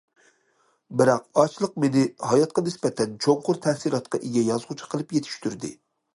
بىراق ئاچلىق مېنى ھاياتقا نىسبەتەن چوڭقۇر تەسىراتقا ئىگە يازغۇچى قىلىپ يېتىشتۈردى.